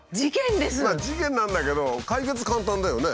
事件なんだけど解決簡単だよね。